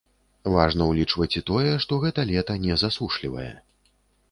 Важна ўлічваць і тое, што гэта лета не засушлівае.